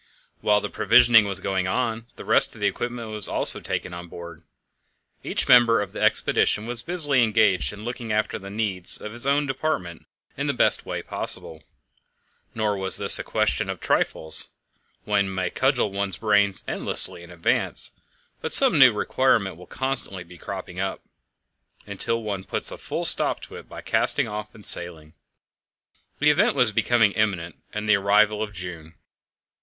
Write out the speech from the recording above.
While the provisioning was going on, the rest of the equipment was also being taken on board. Each member of the expedition was busily engaged in looking after the needs of his own department in the best way possible. Nor was this a question of trifles: one may cudgel one's brains endlessly in advance, but some new requirement will constantly be cropping up until one puts a full stop to it by casting off and sailing. This event was becoming imminent with the arrival of June.